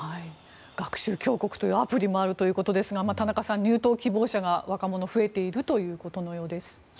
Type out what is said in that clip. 学習強国というアプリもあるということですが田中さん、若者の入党希望者が増えているようです。